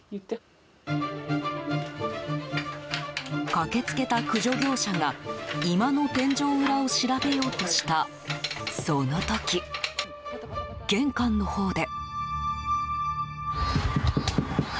駆け付けた駆除業者が居間の天井裏を調べようとしたその時玄関のほうで。